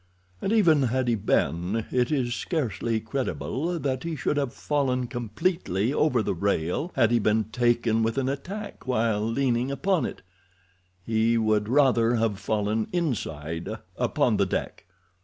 And even had he been it is scarcely credible that he should have fallen completely over the rail had he been taken with an attack while leaning upon it—he would rather have fallen inside, upon the deck.